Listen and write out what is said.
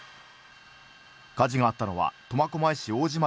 火事があったのは苫小牧市王子町